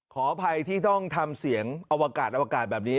ขออภัยที่ต้องทำเสียงอวกาศอวกาศแบบนี้